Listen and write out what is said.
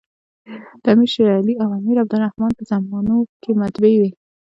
د امیر شېرعلي خان او امیر عبدالر حمن په زمانو کي مطبعې وې.